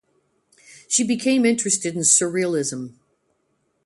She became interested in surrealism.